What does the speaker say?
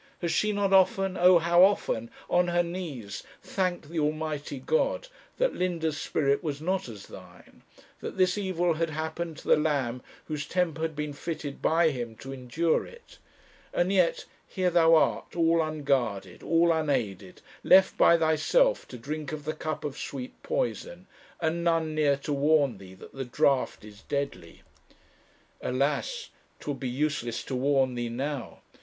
Has she not often oh, how often! on her knees thanked the Almighty God that Linda's spirit was not as thine; that this evil had happened to the lamb whose temper had been fitted by Him to endure it? And yet here thou art all unguarded, all unaided, left by thyself to drink of the cup of sweet poison, and none near to warn thee that the draught is deadly. Alas! 'twould be useless to warn thee now.